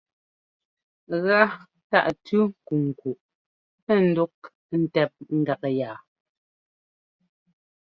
Gá tâʼ tʉ́ nkunkuʼ ndúʼ ntɛp gak yá.